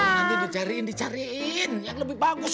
nanti dicariin dicariin yang lebih bagus